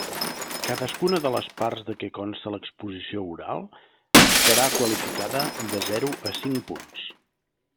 Cadascuna de les parts de què consta l'exposició oral serà qualificada de zero a cinc punts.